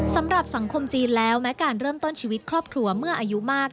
สำหรับสังคมจีนแล้วแม้การเริ่มต้นชีวิตครอบครัวเมื่ออายุมาก